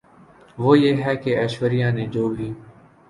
وہ یہ ہے کہ ایشوریا نے جو بھی